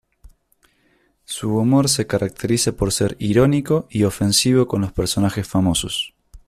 Su humor se caracteriza por ser irónico y ofensivo con los personajes famosos.